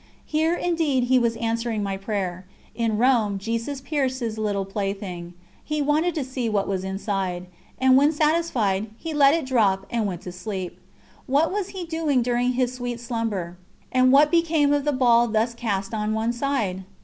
Here indeed He was answering my prayer. In Rome Jesus pierced His little plaything. He wanted to see what was inside ... and when satisfied, He let it drop and went to sleep. What was He doing during His sweet slumber, and what became of the ball thus cast on one side?